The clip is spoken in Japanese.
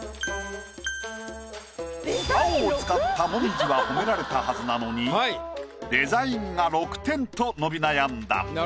青を使った紅葉は褒められたはずなのにデザインが６点と伸び悩んだ。